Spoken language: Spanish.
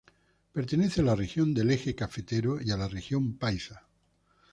Pertenece a la región del Eje cafetero y a la región paisa.